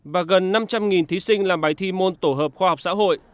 và gần năm trăm linh thí sinh làm bài thi môn tổ hợp khoa học xã hội